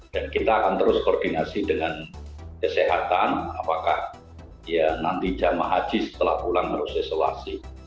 dan kita akan terus koordinasi dengan kesehatan apakah ya nanti jemaah haji setelah pulang harus isolasi